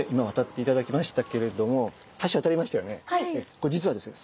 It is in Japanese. これ実はですねあ！